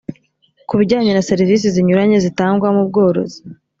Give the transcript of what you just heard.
ku bijyanye na serivisi zinyuranye zitangwa mu bworozi